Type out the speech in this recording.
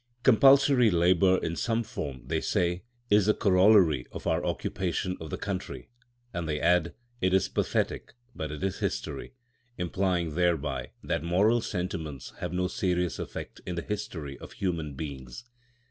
"Compulsory labour in some form," they say, "is the corollary of our occupation of the country." And they add: "It is pathetic, but it is history," implying thereby that moral sentiments have no serious effect in the history of human beings.